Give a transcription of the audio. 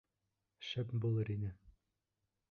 — Шәп булыр ине!